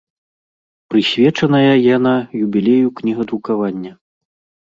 Прысвечаная яна юбілею кнігадрукавання.